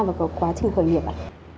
và có quá trình khởi nghiệp ạ